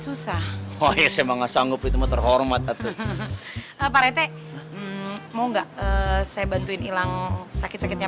susah oh ya saya nggak sanggup itu mah terhormat pak rete mau enggak saya bantuin hilang sakit sakitnya